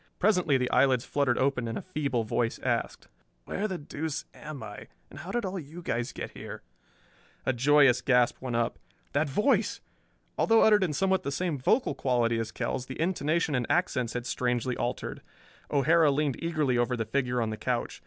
Presently the eyelids fluttered open and a feeble voice asked, "Where the deuce am I, and how did all you guys get here?" A joyous gasp went up. That voice! Although uttered in somewhat the same vocal quality as Kell's the intonation and accents had strangely altered. O'Hara leaned eagerly over the figure on the couch.